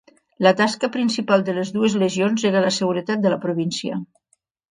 La tasca principal de les dues legions era la seguretat de la província.